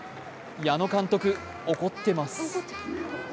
矢野監督、怒ってます。